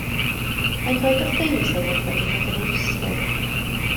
Mae'n dweud wrth Davies ei fod wedi bod yn ei ddisgwyl.